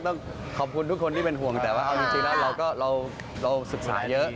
ต้องขอบคุณทุกคนที่เป็นห่วงแต่ว่าเอาจริงแล้วเราศึกษาเยอะ